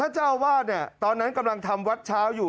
เจ้าวาดตอนนั้นกำลังทำวัดเช้าอยู่